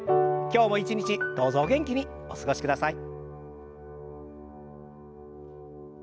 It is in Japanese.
今日も一日どうぞお元気にお過ごしください。